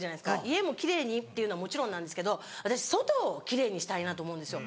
家も奇麗にっていうのはもちろんなんですけど私外を奇麗にしたいなと思うんですよ。